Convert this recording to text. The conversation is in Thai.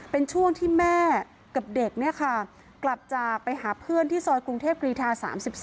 เป็นช่วงที่แม่กับเด็กกลับจากไปหาเพื่อนที่ซอยกรุงเทพกรีธา๓๔